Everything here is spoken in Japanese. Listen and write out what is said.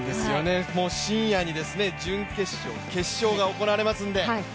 深夜に準決勝、決勝が行われますんで。